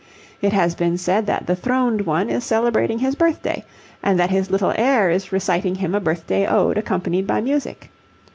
It has been said that the throned one is celebrating his birthday, and that his little heir is reciting him a birthday ode accompanied by music.